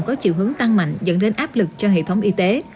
có chiều hướng tăng mạnh dẫn đến áp lực cho hệ thống y tế